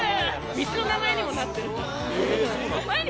道の名前にもなってるから。